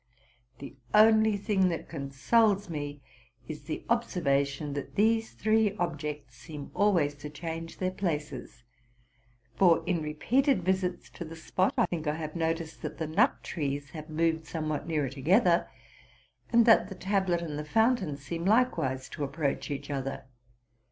The only thing that consoles me is the observation, that these three objects seem always to change their places. For, in repeated visits to the spot, I think I have noticed that the nut trees have moved somewhat nearer together, and that the tablet and the fountain seem likewise to ap proach each other.